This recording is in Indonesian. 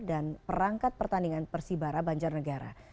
dan perangkat pertandingan persibara banjarnegara